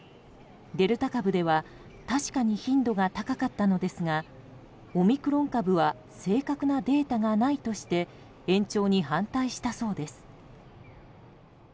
デルタ株では確かに頻度が高かったのですがオミクロン株は正確なデータがないとして延長に反対したそうです。